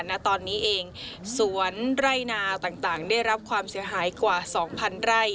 ณตอนนี้เองสวนไร่นาต่างได้รับความเสียหายกว่า๒๐๐ไร่